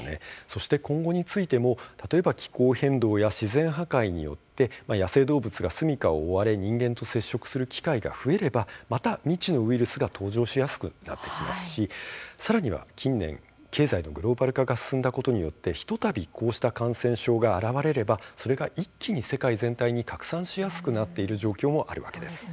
そして今後についても、例えば気候変動や自然破壊によって野生動物が住みかを追われ人間と接触する機会が増えればまた未知のウイルスが登場しやすくなってきますしさらには近年経済のグローバル化が進んだことによって、ひとたびこうした感染症が現れればそれが一気に世界全体に拡散しやすくなっている状況もあるわけです。